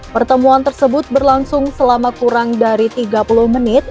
pertemuan tersebut berlangsung selama kurang dari tiga puluh menit